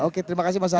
oke terima kasih mas ari